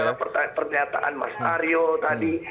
kalau pernyataan mas aryo tadi